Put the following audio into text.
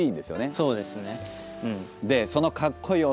そうですね。